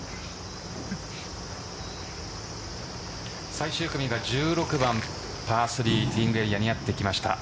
最終組が１６番、パー３ティーイングエリアにやってきました。